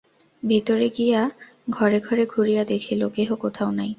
ভিতরে গিয়া ঘরে ঘরে ঘুরিয়া দেখিল, কেহ কোথাও নাই।